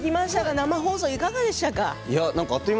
生放送、いかがでしたか。